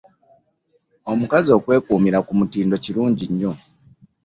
Omukazi okwekuumira ku mutindo kirungi nnyo.